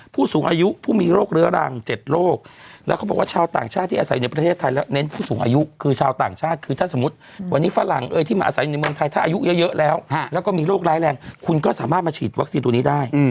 ผู้สูงอายุผู้มีโรคเรื้อรัง๗โรคแล้วเขาบอกว่าชาวต่างชาติที่อาศัยในประเทศไทยแล้วเน้นผู้สูงอายุคือชาวต่างชาติคือถ้าสมมุติวันนี้ฝรั่งเอ่ยที่มาอาศัยอยู่ในเมืองไทยถ้าอายุเยอะแล้วแล้วก็มีโรคร้ายแรงคุณก็สามารถมาฉีดวัคซีนตัวนี้ได้